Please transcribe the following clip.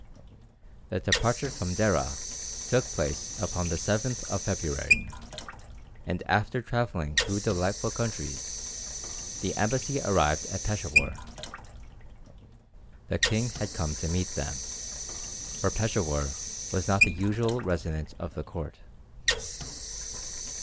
The departure from Déra took place upon the 7th of February, and after travelling through delightful countries, the embassy arrived at Peshawur. The king had come to meet them, for Peshawur was not the usual residence of the court.